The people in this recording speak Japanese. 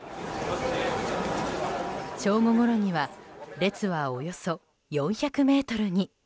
正午ごろには列はおよそ４００ｍに。